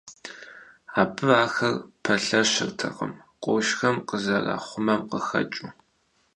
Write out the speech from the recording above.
Абы ахэр пэлъэщыртэкъым къуршхэм къызэрахъумэм къыхэкӀыу.